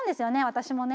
私もね。